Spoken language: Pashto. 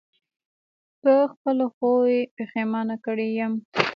په خپلو ښو یې پښېمانه کړی یم.